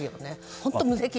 本当に無責任。